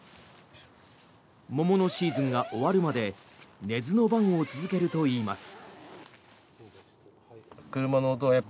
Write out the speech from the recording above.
桃のシーズンが終わるまで寝ずの番を続けるといいます。